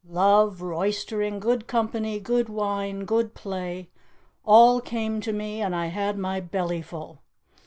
Love, roystering, good company, good wine, good play all came to me, and I had my bellyful!